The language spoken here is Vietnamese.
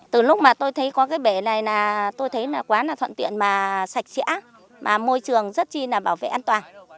từ lúc mà tôi thấy có cái bể này là tôi thấy là quá là thuận tiện mà sạch sẽ mà môi trường rất chi là bảo vệ an toàn